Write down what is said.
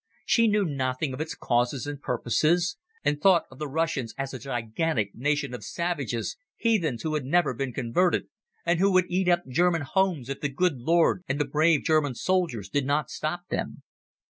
She knew nothing of its causes and purposes, and thought of the Russians as a gigantic nation of savages, heathens who had never been converted, and who would eat up German homes if the good Lord and the brave German soldiers did not stop them.